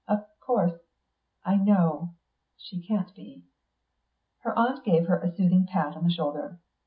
"Of course ... I know ... she can't be." Her aunt gave her a soothing pat on the shoulder.